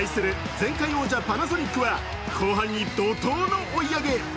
前回王者・パナソニックは後半に怒とうの追い上げ。